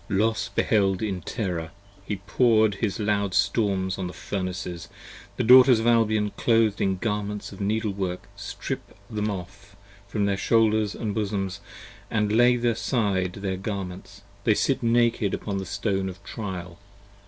Los beheld in terror; he pour'd his loud storms on the Furnaces: The Daughters of Albion clothed in garments of needle work Strip them off from their shoulders and bosoms, they lay aside Their garments, they sit naked upon the Stone of trial.